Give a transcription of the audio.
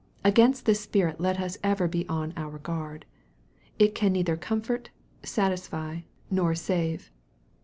Against this spirit let us ever be on our guard. It can neither comfort, satisfy, nor save.